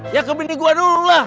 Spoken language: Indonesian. ya kebini gue dulu lah